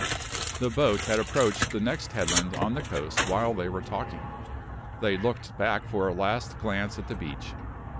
The boat had approached the next headland on the coast while they were talking. They looked back for a last glance at the beach.